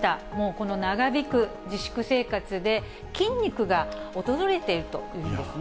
この長引く自粛生活で、筋肉が衰えているというんですね。